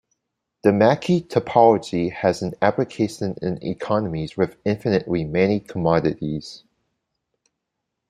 The Mackey topology has an application in economies with infinitely many commodities.